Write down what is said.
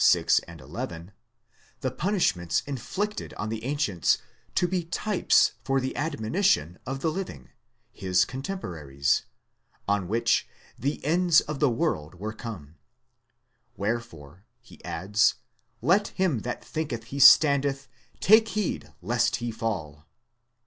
6 and 11, the punishments inflicted on the ancients to be types for the admonition of the living, his cotemporaries, on whom the ends of the world were come ; wherefore, he adds, let him that thinketh he standeth take heed lest he fall.